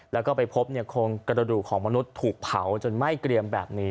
แล้วก็ไปพบโครงกระดูกของมนุษย์ถูกเผาจนไหม้เกรียมแบบนี้